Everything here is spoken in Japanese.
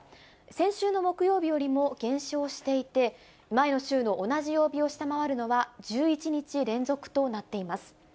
先週の木曜日よりも減少していて、前の週の同じ曜日を下回るのは１１日連続となっています。